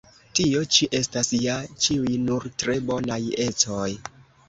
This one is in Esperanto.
Tio ĉi estas ja ĉiuj nur tre bonaj ecoj!